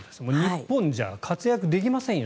日本じゃ活躍できませんよ